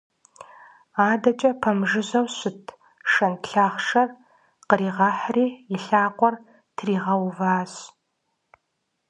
Адэкӏэ пэмыжыжьэу щыт шэнт лъахъшэр къригъэхьри и лъакъуэр тригъэуващ.